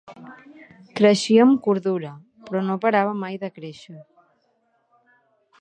Creixia amb cordura, però no parava mai de créixer.